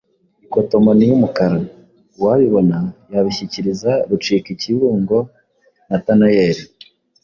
ikotomoni y’umukara. Uwabibona yabishyikiriza Rucikibungo Natanayeri